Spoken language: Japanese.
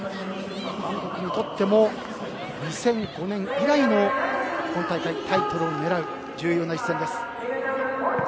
韓国にとっても２００５年以来の今大会、タイトルを狙う重要な一戦です。